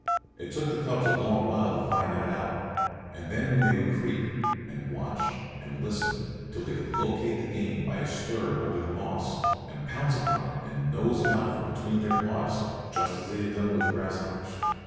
It took the cubs a long while to find that out; and then they would creep and watch and listen till they could locate the game by a stir under the moss, and pounce upon it and nose it out from between their paws, just as they had done with the grasshoppers.